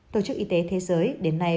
tổ chức y tế thế giới đến nay